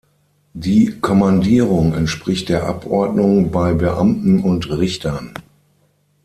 Die "Kommandierung" entspricht der Abordnung bei Beamten und Richtern.